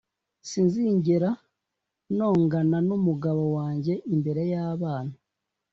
sinzigera nongana n’umugabo wanjye imbere yabana